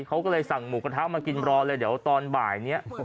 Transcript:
เขาก็เลยสั่งหมูกระทะมากินรอเลยเดี๋ยวตอนบ่ายนี้